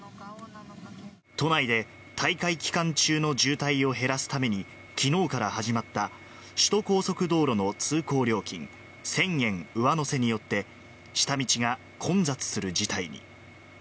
都内で大会期間中の渋滞を減らすためにきのうから始まった首都高速道路の通行料金１０００円上乗せによって、下道が混雑する事態に。